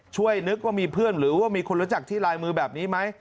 ช่วยนึกว่ามีเพื่อนหรือว่ามีคนรู้จักที่ลายมือแบบนี้ไหม